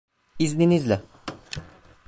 İzninizle.